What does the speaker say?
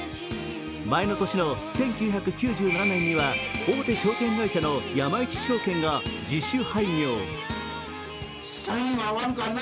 前の年の１９９７年には大手証券会社の山一証券が自主廃業。